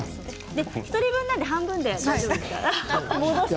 １人分なので半分で大丈夫です。